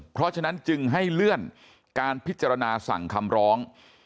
เพราะฉะนั้นจึงให้เลื่อนการพิจารณาสั่งคำร้อง